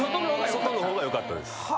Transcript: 外の方がよかったです。